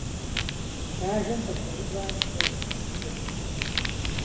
Бажэм къыгурыӏуащ ӏуэхур зытетыр.